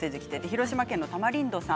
広島県の方。